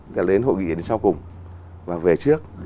đã đến hội nghị đến sau cùng và về trước